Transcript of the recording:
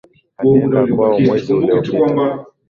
Alienda kwao mwezi uliopita.